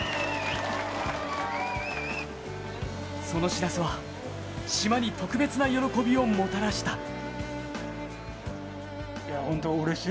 その知らせは島に特別な喜びをもたらした。